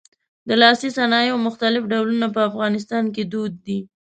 د لاسي صنایعو مختلف ډولونه په افغانستان کې دود دي.